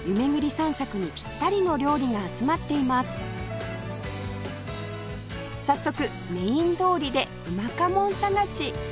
早速メイン通りでうまかもん探し